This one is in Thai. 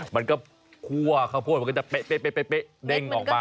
มันก็คั่วข้าวโพดไปยังไปป๊ะเน่งออกมา